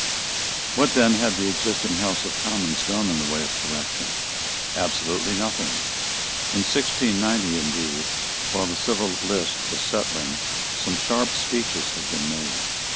What then had the existing House of Commons done in the way of correction? Absolutely nothing. In 1690, indeed, while the Civil List was settling, some sharp speeches had been made.